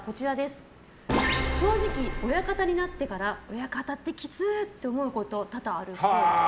正直、親方になってから親方ってキツー！って思うこと多々あるっぽい。